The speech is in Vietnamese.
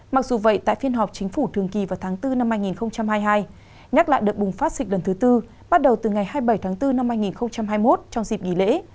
mặc dù vậy tại phiên họp chính phủ thường kỳ vào tháng bốn năm hai nghìn hai mươi hai nhắc lại đợt bùng phát dịch lần thứ tư bắt đầu từ ngày hai mươi bảy tháng bốn năm hai nghìn hai mươi một trong dịp nghỉ lễ